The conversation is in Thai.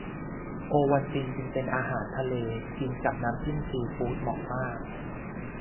โอวัลตินจึงเป็นอาหารทะเล กินกับน้ำจิ้มซีฟู้ดเหมาะมาก